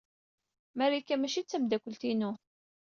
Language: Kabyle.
Marika maci d tameddakelt-inu.